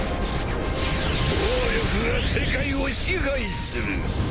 暴力が世界を支配する。